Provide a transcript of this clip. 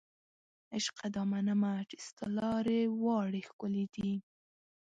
عشقه دا منمه چې ستا لارې واړې ښکلې دي